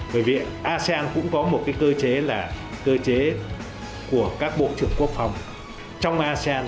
bởi vì asean cũng có một cơ chế là cơ chế của các bộ trưởng quốc phòng trong asean